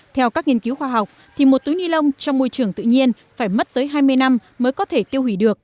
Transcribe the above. theo các nghiên cứu khoa học một túi ni lông trong môi trường tự nhiên phải mất tới hai mươi năm mới có thể tiêu hủy được